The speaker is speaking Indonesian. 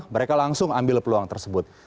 mereka langsung ambil peluang tersebut